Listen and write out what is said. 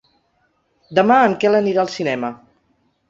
Demà en Quel anirà al cinema.